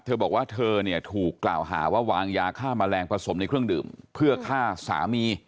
เธอบอกว่าเธอเนี่ยถูกกล่าวหาว่าวางยาฆ่าแมลงผสมในเครื่องดื่มเพื่อฆ่าสามี